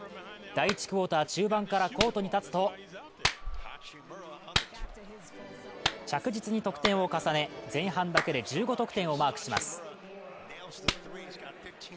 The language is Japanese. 第１クオーター中盤からコートに立つと着実に得点を重ね、前半だけで１５得点をマークします。